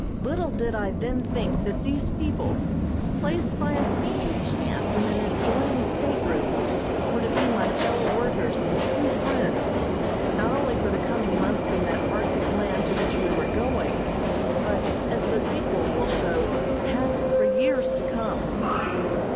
Little did I then think that these people, placed by a seeming chance in an adjoining stateroom, were to be my fellow workers and true friends, not only for the coming months in that Arctic land to which we were going, but, as the sequel will show, perhaps for years to come.